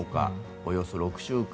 およそ６週間。